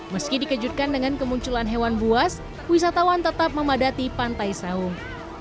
meski dikejutkan dengan kemunculan hewan buas wisatawan tetap memadati pantai saung